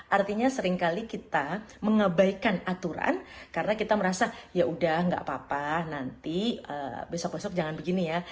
artinya seringkali kita mengabaikan aturan karena kita merasa ya udah gak apa apa nanti besok besok jangan begini ya